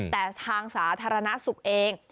แต่ทางสาธารณสุขเอง